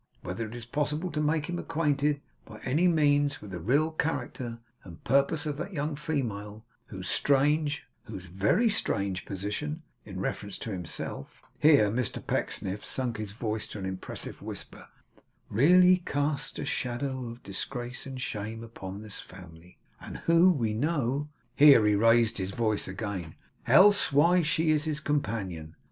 Whether it is possible to make him acquainted by any means with the real character and purpose of that young female whose strange, whose very strange position, in reference to himself' here Mr Pecksniff sunk his voice to an impressive whisper 'really casts a shadow of disgrace and shame upon this family; and who, we know' here he raised his voice again 'else why is she his companion?